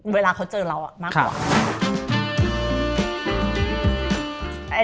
เวลาเขาเจอเรามากกว่า